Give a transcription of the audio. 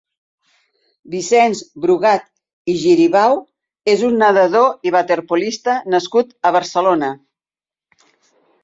Vicenç Brugat i Giribau és un nedador i waterpolista nascut a Barcelona.